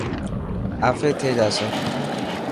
آفي ٿي جاسي.